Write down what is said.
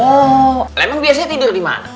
oh lemeng biasanya tidur dimana